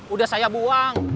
udah saya buang